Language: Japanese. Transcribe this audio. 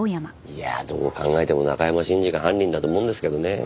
いやどう考えても中山信二が犯人だと思うんですけどねえ。